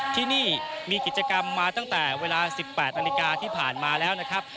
ที่นี่มีกิจกรรมมาตั้งแต่เวลา๑๘นาฬิกาที่ผ่านมาแล้วนะครับ